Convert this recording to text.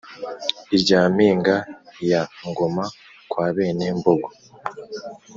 Irya mpinga ya Ngoma kwa bene Mbogo